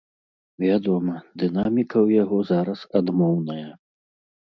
Вядома, дынаміка ў яго зараз адмоўная.